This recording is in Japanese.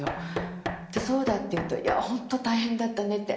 「そうだ」というと「いやほんと大変だったね」